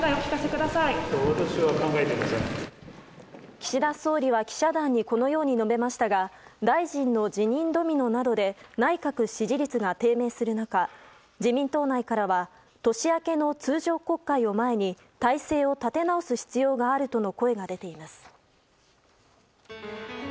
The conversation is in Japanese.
岸田総理は記者団にこのように述べましたが大臣の辞任ドミノなどで内閣支持率が低迷する中自民党内からは年明けの通常国会を前に私何すればいいんだろう？